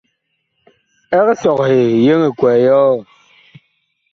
Eg sɔghe yeŋ ekwɛɛ yɔɔ ?